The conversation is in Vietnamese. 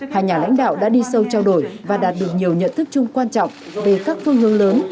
hai nhà lãnh đạo đã đi sâu trao đổi và đạt được nhiều nhận thức chung quan trọng về các phương hướng lớn